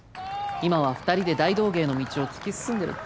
今は２人で大道芸の道を突き進んでるって。